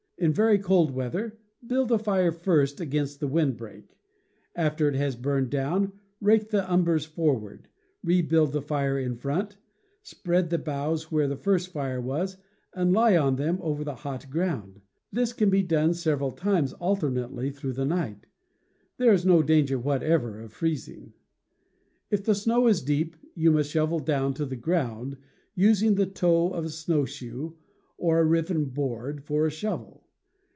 In very cold weather, build a fire first against the wind break. After it has burned down, rake the em bers forward, rebuild the fire in front, spread boughs where the first fire was, and lie on them over the hot ground. This can be done several times alternately through the night. There is no danger whatever of freezing. If the snow is deep, you must shovel down to the ground, using the toe of a snowshoe, or a riven board, for a shovel.